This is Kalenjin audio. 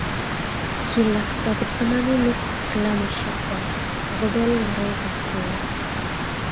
kilakta kipsomaninik kilamisiek kwach akubel ngoroikab sukul